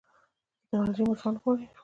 ټیکنالوژي مو ژوند ژغوري